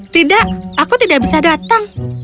tidak aku tidak bisa datang